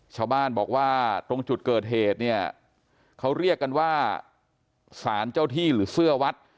ชาวบ้านบอกว่าตรงจุดเกิดเหตุเนี่ยเขาเรียกกันว่าสารเจ้าที่หรือเสื้อวัด